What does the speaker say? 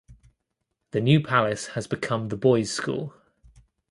The New Palace has become the boys school.